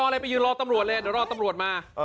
แล้วก็คือเค้าเล่นใหญ่มาก